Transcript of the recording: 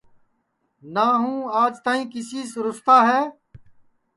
نہ ہوں آج تک کیسی سے روساتا ہے